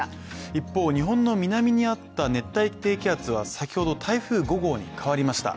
一方、日本の南にあった熱帯低気圧は先ほど台風５号になりました。